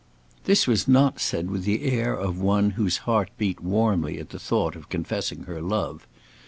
This was not said with the air or one whose heart beat warmly at the thought of confessing her love.